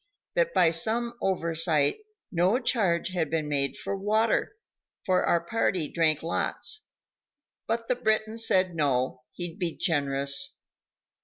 that by some oversight no charge had been made for water, for our party drank lots, but the Briton said no, he'd be generous.